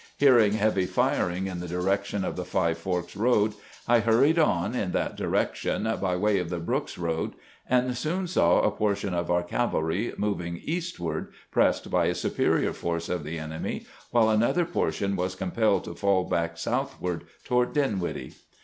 Hearing heavy firing in the direction of the Five Forks road, I hurried on in that direction by way of the Brooks road, and soon saw a portion of our cavalry moving eastward, pressed by a superior force of the enemy, while another portion was compelled to fall back southward toward Dinwiddle.